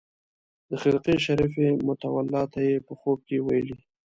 د خرقې شریفې متولي ته یې په خوب کې ویلي.